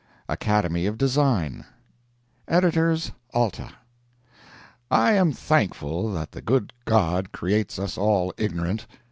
ACADEMY OF DESIGN EDITORS ALTA: I am thankful that the good God creates us all ignorant.